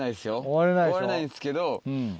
終われないですけど。